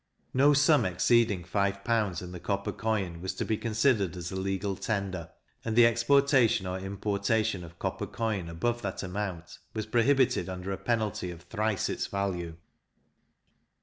No sum exceeding five pounds, in the copper coin, was to be considered as a legal tender; and the exportation or importation of copper coin above that amount, was prohibited under a penalty of thrice its value.